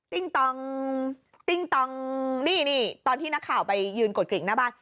ตองติ้งตองนี่นี่ตอนที่นักข่าวไปยืนกดกริ่งหน้าบ้าน